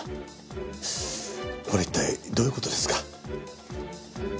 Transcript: これ一体どういう事ですか？